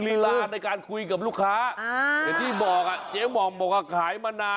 นิลาในการคุยกับลูกค้า